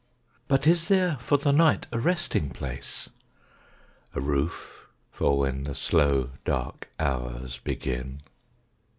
But is there for the night a resting place? A roof for when the slow dark hours begin.